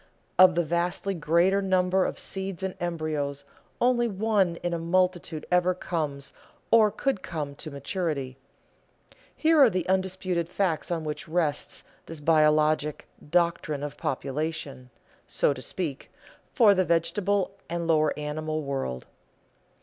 Of the vastly greater number of seeds and embryos, only one in a multitude ever comes or could come to maturity. Here are the undisputed facts on which rests a biologic "doctrine of population," so to speak, for the vegetable and lower animal world.